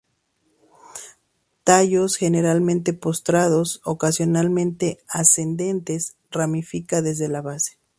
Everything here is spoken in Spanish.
Tallos generalmente postrados, ocasionalmente ascendentes; ramifica desde la base.